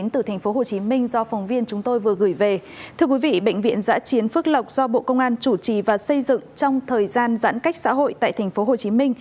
thưa quý vị bệnh viện giã chiến phước lộc do bộ công an chủ trì và xây dựng trong thời gian giãn cách xã hội tại tp hcm